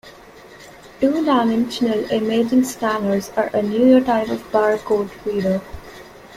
Two-dimensional imaging scanners are a newer type of bar code reader.